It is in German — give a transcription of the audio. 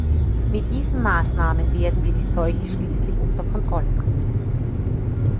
Mit diesen Maßnahmen werden wir die Seuche schließlich unter Kontrolle bringen.